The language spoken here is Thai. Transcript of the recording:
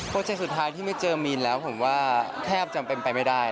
เคสุดท้ายที่ไม่เจอมีนแล้วผมว่าแทบจะเป็นไปไม่ได้